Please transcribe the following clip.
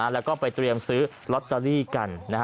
แล้วก็ไปเตรียมซื้อลอตเตอรี่กัน